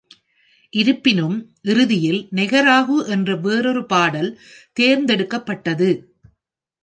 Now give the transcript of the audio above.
இருப்பினும், இறுதியில் "" நெகராகு "" என்ற வேறொரு பாடல் தேர்ந்தெடுக்கப்பட்டது.